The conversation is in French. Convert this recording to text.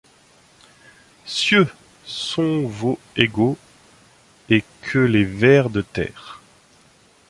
cieux, sont vos égaux, et que les vers de terre